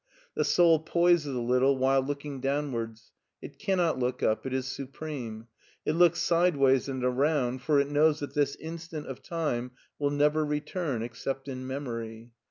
The soul poises a little while looking down wards ; it cannot look up, it is supreme ; it looks side ways and arotmd for it knows that this instant of time will never return except in memory.